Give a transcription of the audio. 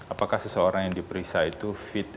apakah seseorang yang diperiksa itu fit